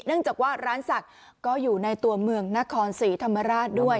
จากว่าร้านศักดิ์ก็อยู่ในตัวเมืองนครศรีธรรมราชด้วย